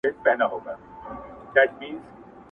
پوهېدل چي د منلو هر گز نه دي؛